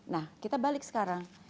nah kita balik sekarang